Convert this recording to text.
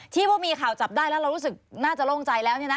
ว่ามีข่าวจับได้แล้วเรารู้สึกน่าจะโล่งใจแล้ว